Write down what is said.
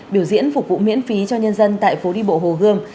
biểu diễn phục vụ miễn phí cho nhân dân tại phố đi bộ hồ gươm